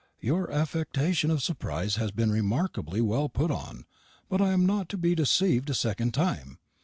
Your affectation of surprise has been remarkably well put on; but I am not to be deceived a second time.